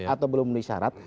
atau belum memenuhi syarat